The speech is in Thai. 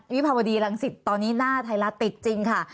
วิภาพบดีหลังสิทธิ์ตอนนี้หน้าไทรละติดจริงค่ะ